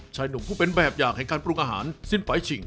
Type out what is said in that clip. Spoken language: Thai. ชายหนุ่มผู้เป็นแบบอย่างแห่งการปรุงอาหารสิ้นไฟล์ชิง